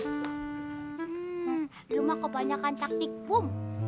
hmm rumah kebanyakan caktik bum